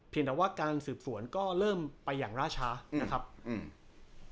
แต่ว่าการสืบสวนก็เริ่มไปอย่างล่าช้านะครับอืม